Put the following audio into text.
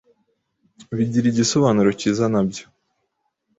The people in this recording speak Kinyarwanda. bigira igisobanuro kiza nabyo